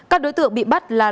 các đối tượng bị bắt là